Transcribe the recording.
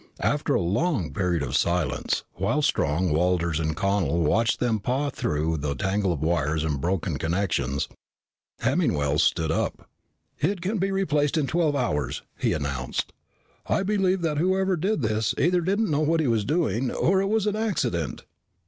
After a long period of silence, while Strong, Walters, and Connel watched them pawing through the tangle of wires and broken connections, Hemmingwell stood up. "It can be replaced in twelve hours," he announced. "I believe that whoever did this either didn't know what he was doing, or it was an accident."